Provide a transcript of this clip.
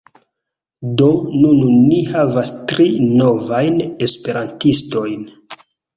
Do nun ni havas tri novajn esperantistojn.